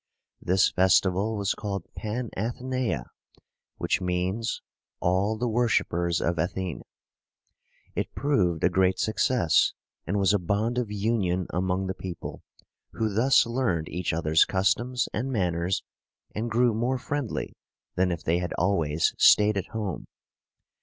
This festival was called Pan ath e næ´a, which means "all the worshipers of Athene." It proved a great success, and was a bond of union among the people, who thus learned each other's customs and manners, and grew more friendly than if they had always staid at home.